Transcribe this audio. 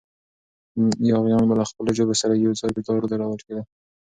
یاغیان به له خپلو ژبو سره یو ځای په دار ځړول کېدل.